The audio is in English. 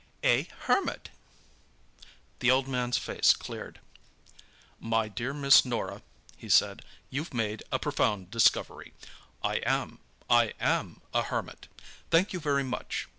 "A hermit!" The old man's face cleared. "My dear Miss Norah," he said, "you've made a profound discovery. I am—I am—a hermit! Thank you very much.